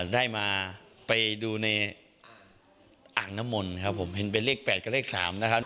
ได้มาไปดูในอ่างน้ำมนต์ครับผมเห็นเป็นเลข๘กับเลข๓นะครับ